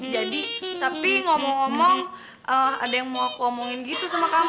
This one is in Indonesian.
jadi tapi ngomong ngomong ada yang mau aku omongin gitu sama kamu